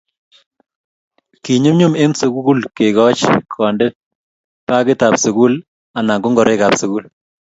kinyumnyum eng sugul kekoch konde bagit ab sugul anan ko ngoroik ab sugul